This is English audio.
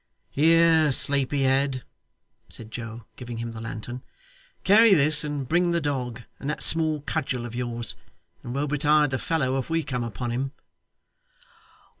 'Here, sleepy head,' said Joe, giving him the lantern. 'Carry this, and bring the dog, and that small cudgel of yours. And woe betide the fellow if we come upon him.